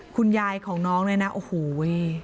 คุณยายของน้องเลยนะโอ้โหเว้ย